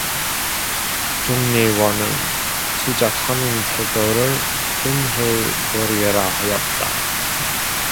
종래와는 수작하는 태도를 변해 보리라 하였다.